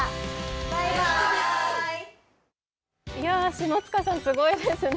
篠塚さん、すごいですね。